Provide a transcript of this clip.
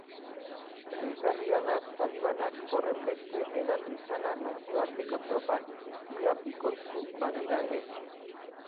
Deigarria da talibanak horrenbeste hedatu izana nazioarteko tropak ia bikoiztu badira ere.